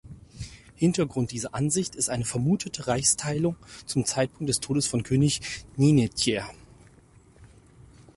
Hintergrund dieser Ansicht ist eine vermutete Reichsteilung zum Zeitpunkt des Todes von König Ninetjer.